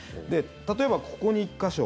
例えば、ここに１か所